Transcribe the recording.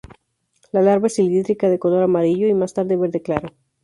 La larva es cilíndrica, de color amarillo y más tarde verde claro.